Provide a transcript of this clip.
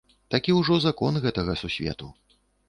Такі ўжо закон гэтага сусвету.